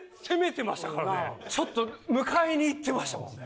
ちょっと迎えにいってましたもんね。